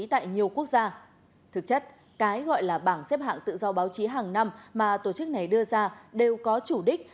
thực chất cái gọi là bảng xếp hạng tự do báo chí hàng năm mà tổ chức này đưa ra đều có chủ đích